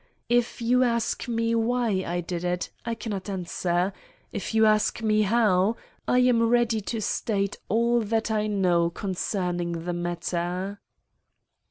"If you ask me why I did it, I cannot answer; if you ask me how, I am ready to state all that I know concerning the matter."